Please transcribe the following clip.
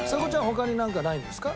他になんかないんですか？